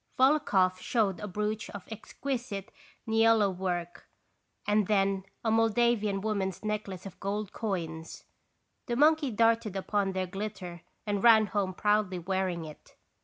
Volokhoff showed a brooch of exquisite niello work, and then a Moldavian woman's necklace of gold coins. The monkey darted upon their glitter and ran home proudly wearing it.